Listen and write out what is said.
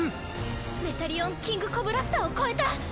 メタリオン・キングコブラスターを超えた！